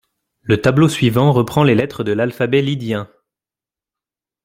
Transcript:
Le tableau suivant reprend les lettres de l'alphabet lydien.